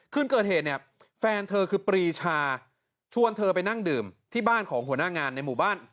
คืนเกิดเหตุเนี่ยแฟนเธอคือปรีชาชวนเธอไปนั่งดื่มที่บ้านของหัวหน้างานในหมู่บ้าน